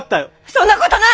そんなことない！